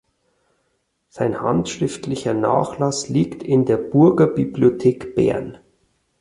Sein handschriftlicher Nachlass liegt in der Burgerbibliothek Bern.